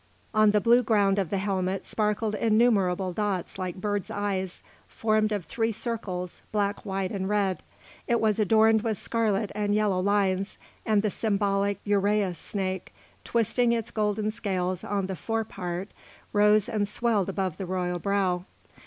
On the blue ground of the helmet sparkled innumerable dots like birds' eyes, formed of three circles, black, white, and red. It was adorned with scarlet and yellow lines, and the symbolic uræus snake, twisting its golden scales on the fore part, rose and swelled above the royal brow.